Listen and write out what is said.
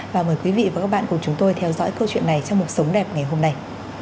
và mời quý vị và các bạn cùng chúng tôi theo dõi câu chuyện này trong một sống đẹp ngày hôm nay